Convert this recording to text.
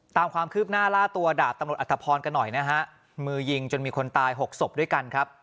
ตามความคืบหน้าล่าตัวดาบตำรวจอัตภพรกันหน่อยนะฮะมือยิงจนมีคนตายหกศพด้วยกันครับ